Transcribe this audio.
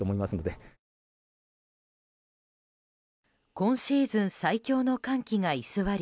今シーズン最強の寒気が居座り